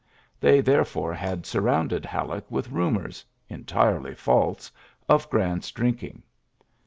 They there fore had surrounded Halleck with rumours, entirely false, of Grant's drink ing.